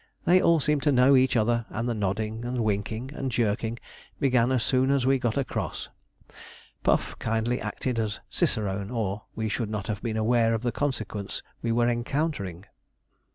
They all seemed to know each other, and the nodding, and winking, and jerking, began as soon as we got across. Puff kindly acted as cicerone, or we should not have been aware of the consequence we were encountering.